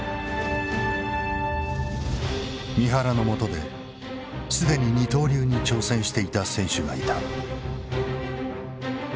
三原のもとで既に二刀流に挑戦していた選手がいた。